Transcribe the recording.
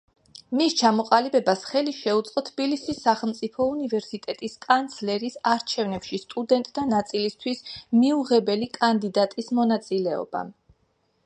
მის ჩამოყალიბებას ხელი შეუწყო თბილისის სახელმწიფო უნივერსიტეტის კანცლერის არჩევნებში სტუდენტთა ნაწილისათვის მიუღებელი კანდიდატის მონაწილეობამ.